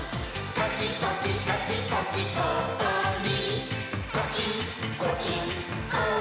「カキコキカキコキこ・お・り」